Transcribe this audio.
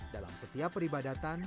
dalam setiap peribadatan